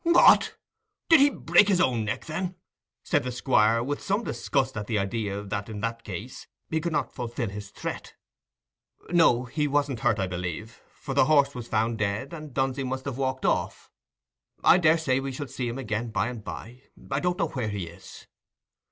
"What! did he break his own neck, then?" said the Squire, with some disgust at the idea that, in that case, he could not fulfil his threat. "No, he wasn't hurt, I believe, for the horse was found dead, and Dunsey must have walked off. I daresay we shall see him again by and by. I don't know where he is."